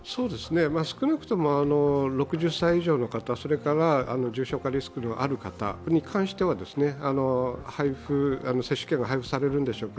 少なくとも６０歳以上の方、重症化リスクのある方に関しては接種券が配布されるんでしょぅ